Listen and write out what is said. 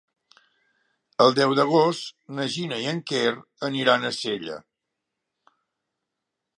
El deu d'agost na Gina i en Quer aniran a Sella.